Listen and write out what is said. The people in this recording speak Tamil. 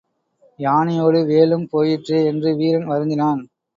யானையோடு வேலும் போயிற்றே என்று வீரன் வருந்தினான்.